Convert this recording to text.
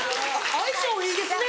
相性いいですね。